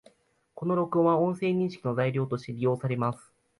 この録音は、音声認識の材料として利用されます